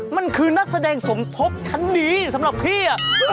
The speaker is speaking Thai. มันคือนักแสดงสมทบชั้นนี้สำหรับพี่